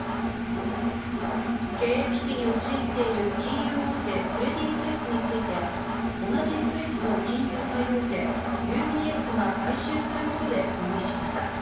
経営危機に陥っている金融大手クレディ・スイスについて、同じスイスの金融最大手・ＵＢＳが買収することで合意しました。